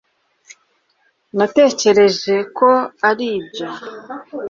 Natekereje ko aribyo